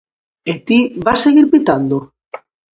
E ti, vas seguir pitando?